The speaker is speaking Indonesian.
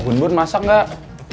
bun bun masak gak